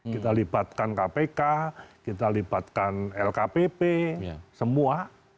kita libatkan kpk kita libatkan lkpp semua